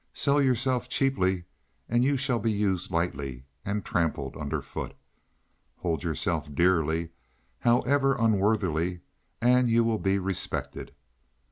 Sell yourself cheaply and you shall be used lightly and trampled under foot. Hold yourself dearly, however unworthily, and you will be respected.